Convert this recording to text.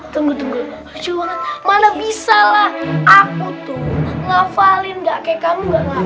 tunggu tunggu mana bisa lah aku tuh ngafalin gak kayak kamu banget